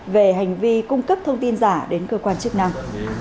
về hành vi cung cấp thông tin giả đến cơ quan chức năng